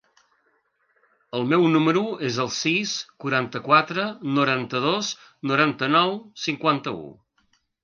El meu número es el sis, quaranta-quatre, noranta-dos, noranta-nou, cinquanta-u.